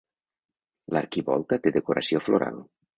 L'arquivolta té decoració floral.